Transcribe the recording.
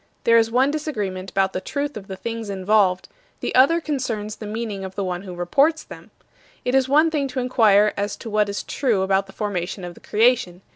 There is one disagreement about the truth of the things involved; the other concerns the meaning of the one who reports them. It is one thing to inquire as to what is true about the formation of the Creation.